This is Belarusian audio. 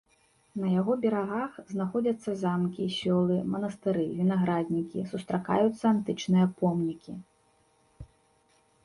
На яго берагах знаходзяцца замкі, сёлы, манастыры, вінаграднікі, сустракаюцца антычныя помнікі.